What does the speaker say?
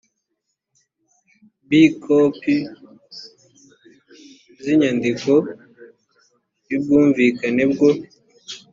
b kopi z inyandiko y ubwumvikane bwo